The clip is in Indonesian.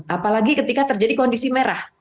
apalagi ketika terjadi kondisi merah